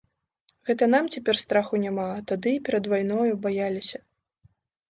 Гэта нам цяпер страху няма, а тады, перад вайною, баяліся.